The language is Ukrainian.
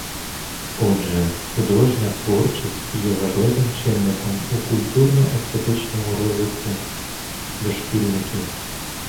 Отже, художня творчість є важливим чинником у культурно-естетичному розвитку дошкільників.